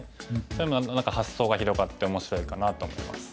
そういうのも何か発想が広がって面白いかなと思います。